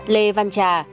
lê văn trà